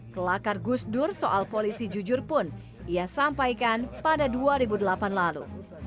kelakar gus dur soal polisi jujur pun ia sampaikan pada dua ribu delapan lalu